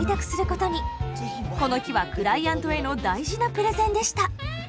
この日はクライアントへの大事なプレゼンでした。